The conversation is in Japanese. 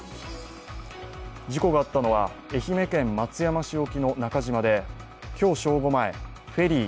事故があったのは、愛媛県松山市沖の中島で今日正午前フェリー